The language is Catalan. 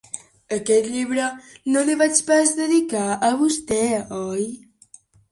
Aquest llibre no li vaig dedicar pas a vostè, oi?